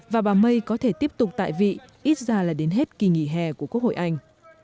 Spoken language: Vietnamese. và bà may có thể tiếp tục tại vị ít ra là đến hết kỳ nghỉ hè của quốc hội anh